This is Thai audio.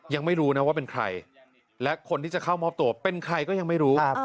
ยังไม่รู้นะว่าเป็นใครและคนที่จะเข้ามอบตัวเป็นใครก็ยังไม่รู้